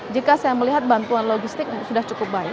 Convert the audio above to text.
jika saya melihat bantuan logistik sudah cukup baik